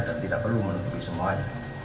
dan tidak perlu menutupi semuanya